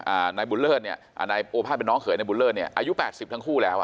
นายบุญเลิศเนี่ยอ่านายโอภาษเป็นน้องเขยนายบุญเลิศเนี่ยอายุแปดสิบทั้งคู่แล้วอ่ะ